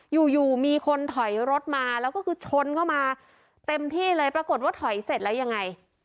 อยู่อยู่มีคนถอยรถมาแล้วก็คือชนเข้ามาเต็มที่เลยปรากฏว่าถอยเสร็จแล้วยังไง